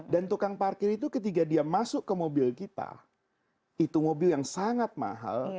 dan tukang parkir itu ketika dia masuk ke mobil kita itu mobil yang sangat mahal